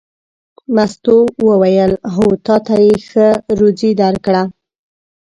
مستو وویل: هو تا ته یې ښه روزي درکړه.